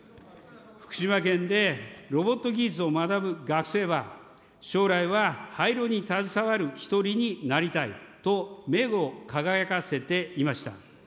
福島県でロボット技術を学ぶ学生は、将来は廃炉に携わる１人になりたいと目を輝かせていました。